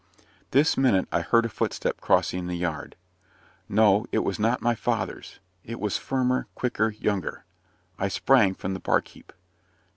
This minute I heard a footstep crossing the yard. No, it was not my father's it was firmer, quicker, younger. I sprang from the barkheap.